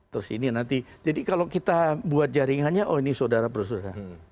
terus ini nanti jadi kalau kita buat jaringannya oh ini saudara saudara